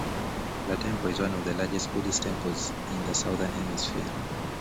The temple is one of the largest Buddhist temples in the southern hemisphere.